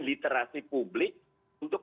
literasi publik untuk